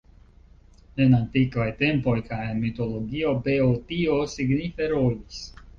En antikvaj tempoj kaj en mitologio Beotio signife rolis.